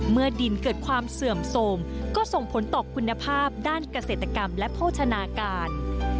เมื่อดินเกิดความเสื่อมโทรมก็ส่งผลต่อคุณภาพด้านเกษตรกรรมและโภชนาการ